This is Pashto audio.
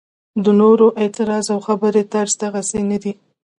د نورو اعتراض او خبرې طرز دغسې نه دی.